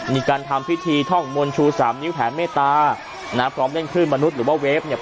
มีการทำพิธีท่องมนต์ชูสามนิ้วแผ่เมตตานะพร้อมเล่นคลื่นมนุษย์หรือว่าเวฟเนี่ย